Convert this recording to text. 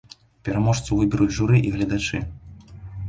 Пераможцу выберуць журы і гледачы.